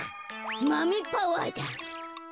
マメパワーだ。